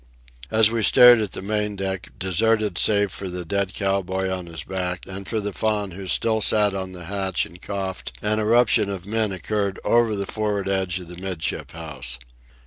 As we stared at the main deck, deserted save for the dead cowboy on his back and for the Faun who still sat on the hatch and coughed, an eruption of men occurred over the for'ard edge of the 'midship house.